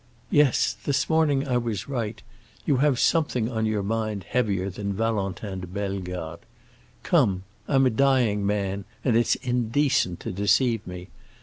"Yes, this morning I was right; you have something on your mind heavier than Valentin de Bellegarde. Come, I'm a dying man and it's indecent to deceive me.